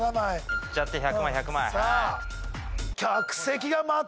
いっちゃって１００枚１００枚。